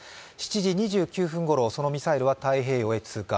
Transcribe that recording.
７時２９分ごろ、そのミサイルは太平洋へ通過。